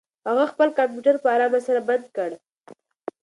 هغه خپل کمپیوټر په ارامه سره بند کړ.